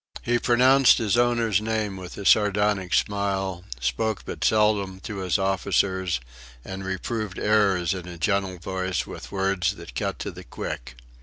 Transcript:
He pronounced his owner's name with a sardonic smile, spoke but seldom to his officers, and reproved errors in a gentle voice, with words that cut to the quick.